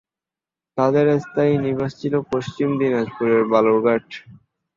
তাদের স্থায়ী নিবাস ছিল পশ্চিম দিনাজপুরের বালুর ঘাট।